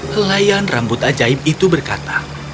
kelayan rambut ajaib itu berkata